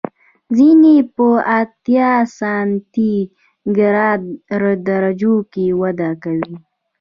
ځینې یې په اتیا سانتي ګراد درجو کې وده کوي.